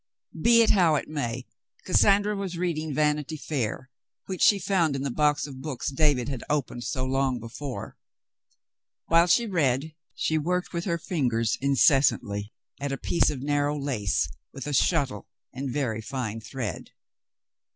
Be it how it may, Cassandra was reading Vanity Fair, which she found in the box of books David had opened so long before. While she read she worked with her fingers, incessantly, at a piece of narrow lace, with a shuttle and very fine thread.